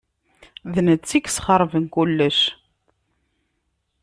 D nettat i yesxeṛben kullec.